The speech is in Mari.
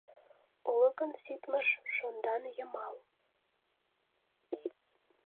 Уло гын, ситмыж, шонданйымал.